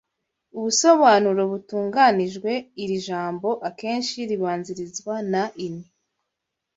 Ubusobanuro "butunganijwe iri jambo akenshi ribanzirizwa na ini